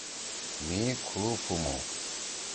مھی کُھو پُھومُو۔